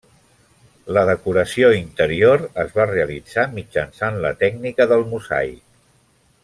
La decoració interior es va realitzar mitjançant la tècnica del mosaic.